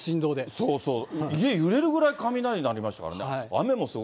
そうそう、家揺れるぐらい雷鳴りましたからね。